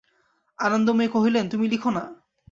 আনন্দময়ী কহিলেন, তুমি লিখো না।